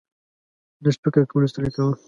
لږ فکر کولو ستړی کاوه.